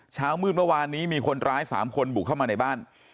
เช้ามืดเมื่อวานนี้มีคนร้าย๓คนบุกเข้ามาในบ้าน